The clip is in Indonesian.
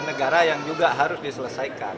negara yang juga harus diselesaikan